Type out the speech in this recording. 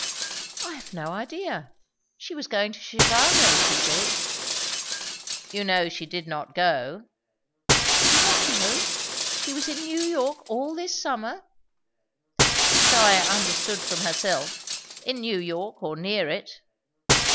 "I have no idea! She was going to Chicago, she said " "You know she did not go?" "Did not go? She was in New York all this summer?" "So I understood from herself In New York or near it."